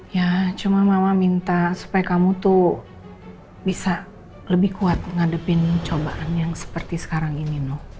ya cuma mama minta supaya kamu tuh bisa lebih kuat ngadepin cobaan yang seperti sekarang ini